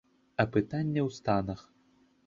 А пытанне ў станах.